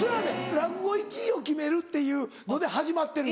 落語１位を決めるっていうので始まってる。